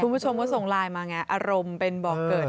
คุณผู้ชมก็ส่งไลน์มาไงอารมณ์เป็นบอกเกิด